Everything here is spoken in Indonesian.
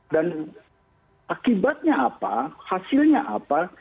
dan akibatnya apa hasilnya apa